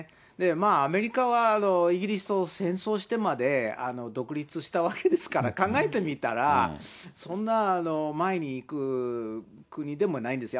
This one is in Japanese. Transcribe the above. まあ、アメリカはイギリスと戦争してまで、独立したわけですから、考えてみたら、そんな前に行く国でもないんです。